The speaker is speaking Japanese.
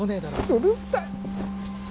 うるさい